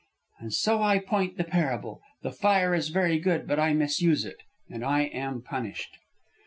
"And so I point the parable. The fire is very good, but I misuse it, and I am punished."